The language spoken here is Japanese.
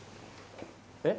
えっ？